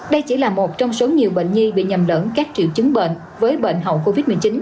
đây chỉ là một trong số nhiều bệnh nhi bị nhầm lẫn các triệu chứng bệnh với bệnh hậu covid một mươi chín